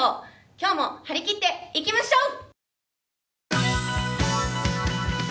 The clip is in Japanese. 今日も張り切っていきましょう。